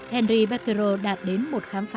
henry beckerer đạt đến một khám phá